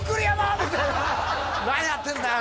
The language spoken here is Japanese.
何やってんだよ！